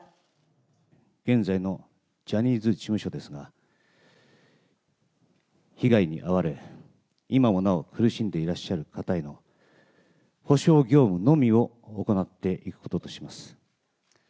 現在のジャニーズ事務所ですが、被害に遭われ、今もなお苦しんでいらっしゃる方への補償業務のみを行っていくこととします。